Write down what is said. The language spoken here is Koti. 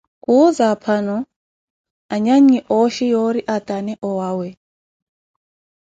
Khuwuza, aphano, anyannyi ooxhi yoori atane owawe.